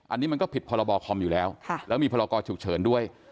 อันนี้มันก็ผิดพรบคอมอยู่แล้วแล้วมีพรกรฉุกเฉินด้วย